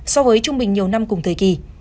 so với trung bình nhiều năm cùng thời kỳ